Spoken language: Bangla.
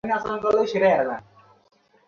তিলক এখন ওর পিছু নিয়েছে।